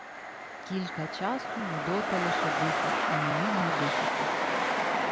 Кілька часу Людота лише дихав і не міг надихатись.